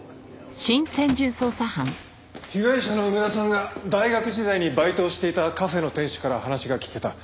被害者の梅田さんが大学時代にバイトをしていたカフェの店主から話が聞けた。